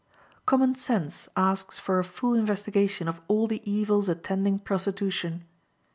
Common sense asks for a full investigation of all the evils attending prostitution.